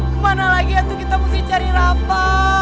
kemana lagi ya tuh kita mesti cari rafa